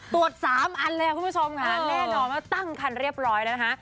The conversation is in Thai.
ตรวจ๓อันเลยคุณผู้ชมค่ะแน่นอนว่าตั้งคันเรียบร้อยแล้วนะคะ